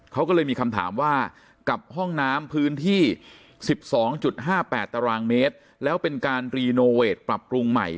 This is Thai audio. เขาก็เลยมีคำถามว่ากับห้องน้ำพื้นที่๑๒๕๘ตารางเมตรแล้วเป็นการรีโนเวทปรับปรุงใหม่